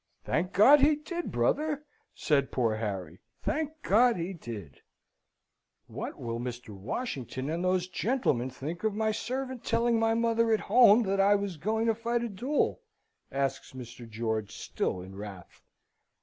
"Thank God he did, brother!" said poor Harry. "Thank God he did!" "What will Mr. Washington and those gentlemen think of my servant telling my mother at home that I was going to fight a duel?" asks Mr. George, still in wrath.